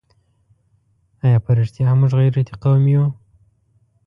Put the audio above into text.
آیا په رښتیا هم موږ غیرتي قوم یو؟